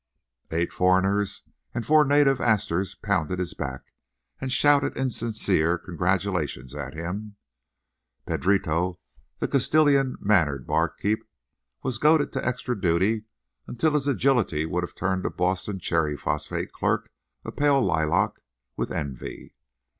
Eight foreigners and four native Astors pounded his back and shouted insincere congratulations at him. Pedrito, the Castilian mannered barkeep, was goaded to extra duty until his agility would have turned a Boston cherry phosphate clerk a pale lilac with envy.